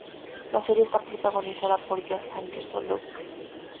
La serie esta protagonizada por Josh Henderson, Luke Macfarlane, Erik Palladino entre otros.